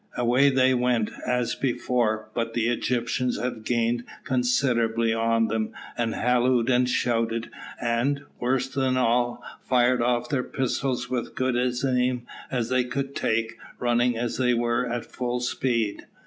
Away they went then as before; but the Egyptians had gained considerably on them, and hallooed and shouted, and, worse than all, fired off their pistols with as good an aim as they could take, running as they were at full speed.